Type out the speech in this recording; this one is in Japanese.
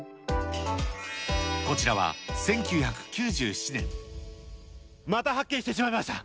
こちらは、また発見してしまいました。